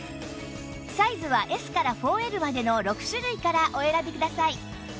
サイズは Ｓ から ４Ｌ までの６種類からお選びください